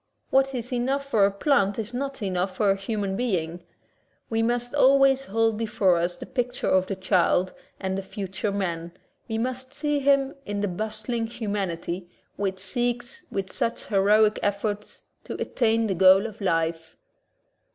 What is enough for a plant is not enough for a human being. We must always hold before us the picture of the child as the future man, we must see him in the bustling humanity which seeks with such heroic efforts to attain the goal of life.